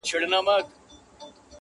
جهاني طبیب مي راکړه د درمل په نامه زهر -